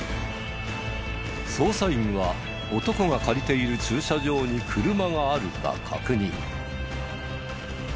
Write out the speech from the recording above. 捜査員は男が借りている駐車場に車があるか確認。